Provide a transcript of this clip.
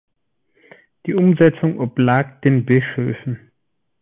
Die Umsetzung oblag den Bischöfen.